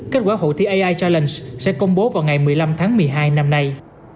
kết quả hội thi ai chaline sẽ công bố vào ngày một mươi năm tháng một mươi hai năm nay